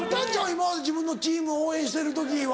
今まで自分のチームを応援してる時は。